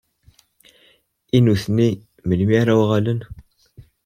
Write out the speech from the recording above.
I nutni, melmi ara uɣalen?